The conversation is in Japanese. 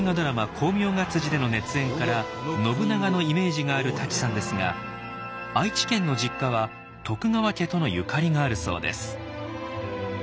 「功名が」での熱演から「信長」のイメージがある舘さんですが愛知県の実家は徳川家とのゆかりがあるそうです。